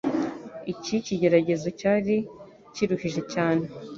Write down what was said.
Icyo kigeragezo cyari kiruhije cyane.